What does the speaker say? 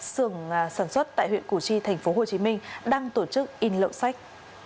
sưởng sản xuất tại huyện củ chi tp hcm đang tổ chức in lậu sách